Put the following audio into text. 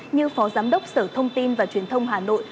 như phó giám đốc sở thông tin và truyền thông hà nội